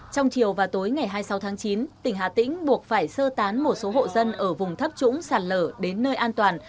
trong chiều và tối ngày hai mươi sáu tháng chín tỉnh hà tĩnh buộc phải sơ tán một số hộ dân ở vùng thấp trũng sạt lở đến nơi an toàn